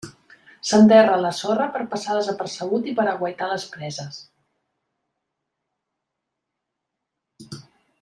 S'enterra a la sorra per passar desapercebut i per aguaitar les preses.